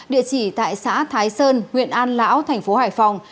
địa chỉ tại xã thái sơn huyện an lão thành phố hải phòng